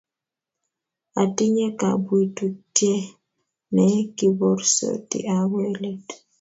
atinye kabwitutie ne kiborsoti agoi let